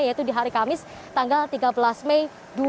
yaitu di hari kamis tanggal tiga belas mei dua ribu dua puluh